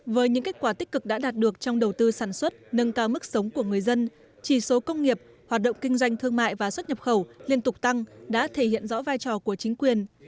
với những kết quả tích cực đã đạt được trong đầu tư sản xuất nâng cao mức sống của người dân chỉ số công nghiệp hoạt động kinh doanh thương mại và xuất nhập khẩu liên tục tăng đã thể hiện rõ vai trò của chính quyền